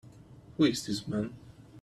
Who is this man?